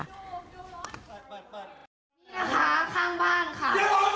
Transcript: นี่นะคะข้างบ้านค่ะ